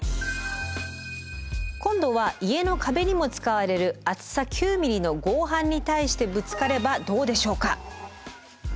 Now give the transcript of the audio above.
今度は家の壁にも使われる厚さ９ｍｍの合板に対してぶつかればどうでしょうか。